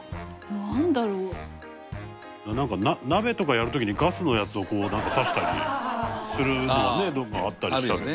鍋とかやる時にガスのやつをこうなんか差したりするのはねあったりしたけど。